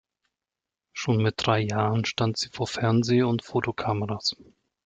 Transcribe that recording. Schon mit drei Jahren stand sie vor Fernseh- und Fotokameras.